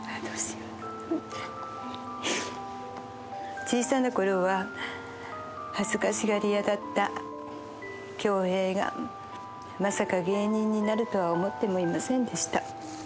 小さなころは、恥ずかしがり屋だった恭兵が、まさか芸人になるとは思ってもいませんでした。